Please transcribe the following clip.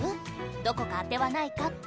どこか当てはないかって。